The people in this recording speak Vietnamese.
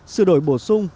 sửa đổi bổ sung